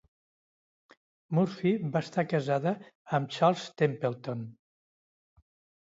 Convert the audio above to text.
Murphy va estar casada amb Charles Templeton.